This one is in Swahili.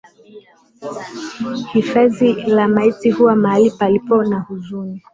Hifadhi la maiti huwa mahali palipo na huzuni.